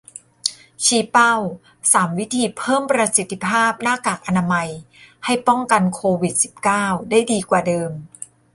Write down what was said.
ชี้เป้า สาม วิธีเพิ่มประสิทธิภาพหน้ากากอนามัย ให้ป้องกันโควิด สิบเก้า ได้ดีกว่าเดิม